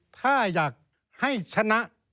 ถ้าอยากให้ชนะ